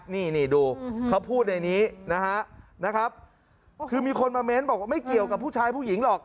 นี่ดูเขาพูดในนี้นะฮะคือมีคนมาเม้นบอกว่าไม่เกี่ยวกับผู้ชายผู้หญิงหรอก